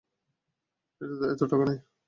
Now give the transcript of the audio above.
এতো টাকা নেই।